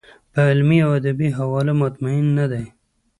په علمي او ادبي حواله مطمین نه دی.